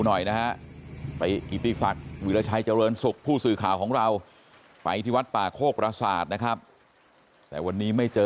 หน่อยนะฮะอีทธิสักห์วิรชัยเจริญสุขผู้สื่อข่าวของเราไปที่วัดป่าโคพรสาสนะครับและวันนี้ไม่